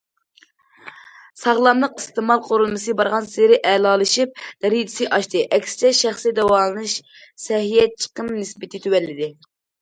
ساغلاملىق ئىستېمال قۇرۇلمىسى بارغانسېرى ئەلالىشىپ، دەرىجىسى ئاشتى، ئەكسىچە شەخسىي داۋالىنىش سەھىيە چىقىم نىسبىتى تۆۋەنلىدى.